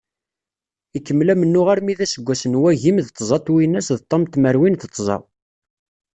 Ikemmel amennuɣ armi d aseggas n wagim d tẓa twinas d ṭam tmerwin d tẓa.